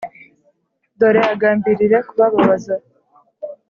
dore agambirire kubababaza.